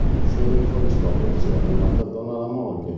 Lo sceriffo li scopre insieme ma perdona la moglie.